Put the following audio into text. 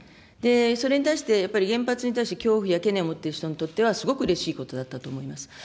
それに対してやっぱり、原発に対して恐怖や懸念を持っている人にとっては、すごくうれしいことだったと思います。